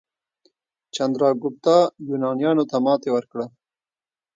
چندراګوپتا یونانیانو ته ماتې ورکړه.